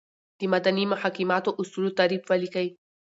دمدني محاکماتو اصولو تعریف ولیکئ ؟